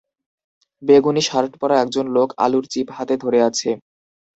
বেগুনী শার্ট পরা একজন লোক আলুর চিপ হাতে ধরে আছে।